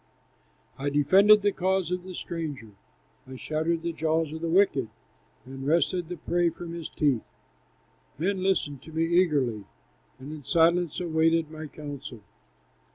I defended the cause of the stranger, I shattered the jaws of the wicked, And wrested the prey from his teeth. "Men listened to me eagerly, And in silence awaited my counsel.